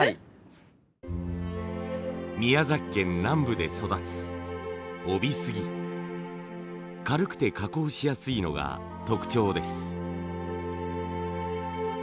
宮崎県南部で育つ軽くて加工しやすいのが特徴です。